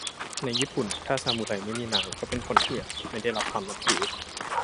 ในญี่ปุ่น ถ้าซามูไรไม่มีนาย ก็เป็นคนเถื่อน ไม่ได้รับความนับถือ